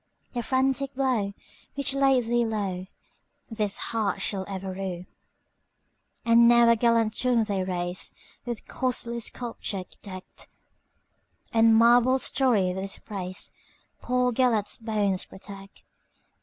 The frantic blow which laid thee lowThis heart shall ever rue."And now a gallant tomb they raise, With costly sculpture decked; And marbles storied with his praisePoor Gêlert's bones protect.